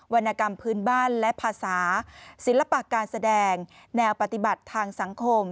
รณกรรมพื้นบ้านและภาษาศิลปะการแสดงแนวปฏิบัติทางสังคม